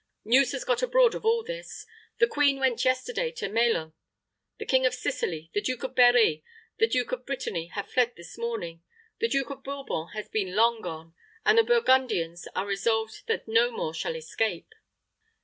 News has got abroad of all this. The queen went yesterday to Melun. The King of Sicily, the Duke of Berri, the Duke of Britanny have fled this morning. The Duke of Bourbon has been long gone, and the Burgundians are resolved that no more shall escape."